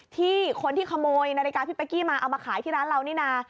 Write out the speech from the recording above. ที่คนที่ขโมยนาฬิกาพี่เป๊กกี้มาเอามาขายที่ร้านเรานี่นะ